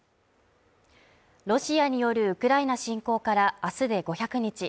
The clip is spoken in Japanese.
ロシアによるウクライナ侵攻から明日で５００日。